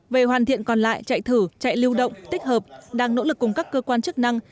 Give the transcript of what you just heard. về hoàn thiện còn lại chạy thử chạy lưu động tích hợp đang nỗ lực cùng các cơ quan chức năng